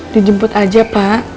dijemput aja pak